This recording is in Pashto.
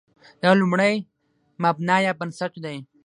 دا لومړی مبنا یا بنسټ دی.